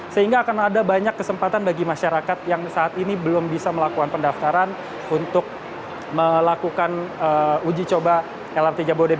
sehingga akan ada banyak kesempatan bagi masyarakat yang saat ini belum bisa melakukan pendaftaran untuk melakukan uji coba lrt jabodebek